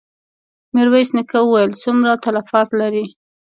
ميرويس نيکه وويل: څومره تلفات لرې؟